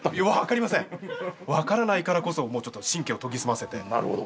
分からないからこそちょっと神経を研ぎ澄ませて。